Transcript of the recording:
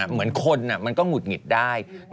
เหมือนคนมันก็หงุดหงิดได้